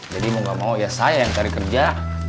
jadi mau nggak mau ya saya yang cari kerja